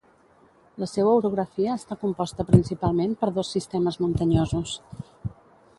La seua orografia està composta principalment per dos sistemes muntanyosos